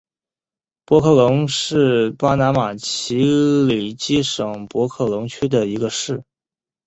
博克龙是巴拿马奇里基省博克龙区的一个市。